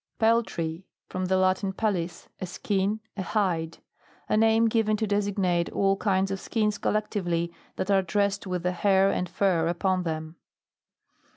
PELTRY. From the Latin, pellis, a skin, a hide. A name given to des ignate all kinds of skins collective ly that are dressed with the hair and fur upon them.